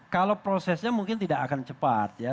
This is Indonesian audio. kalau prosesnya mungkin tidak akan cepat ya